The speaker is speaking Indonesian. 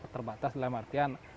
terbatas dalam artian